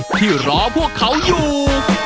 ที่รอพวกเขาอยู่